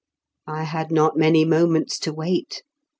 I had not many moments to wait.